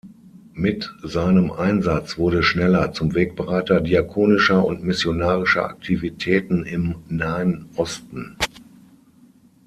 Mit seinem Einsatz wurde Schneller zum Wegbereiter diakonischer und missionarischer Aktivitäten im Nahen Osten.